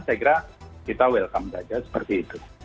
saya kira kita welcome saja seperti itu